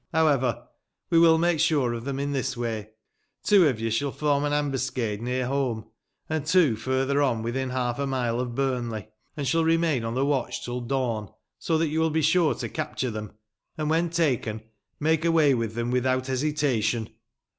However, we will make sure of tbem in tbis way. Two of you sball form an ambuscade near Holme, and two furtber on witbin balf a mile of Buriiley, and sball remain on tbe watcb tili dawn, so tbat you will be sure to capture diem, and wben taken, make away witb tbem witbout 464 THE LANCASHIBE WITCHES« hesitation.